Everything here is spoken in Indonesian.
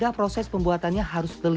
dan proses pembuatannya hanya mencicipinya